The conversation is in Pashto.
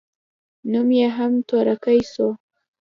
نوم يې هم تورکى سو.